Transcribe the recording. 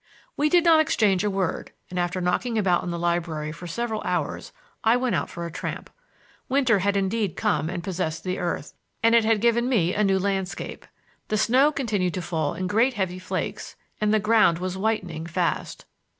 We did not exchange a word, and after knocking about in the library for several hours I went out for a tramp. Winter had indeed come and possessed the earth, and it had given me a new landscape. The snow continued to fall in great, heavy flakes, and the ground was whitening fast.